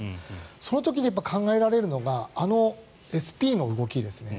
その時に考えられるのがあのＳＰの動きですね。